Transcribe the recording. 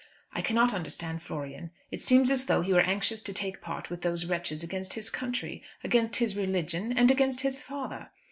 I cannot understand Florian. It seems as though he were anxious to take part with these wretches against his country, against his religion, and against his father.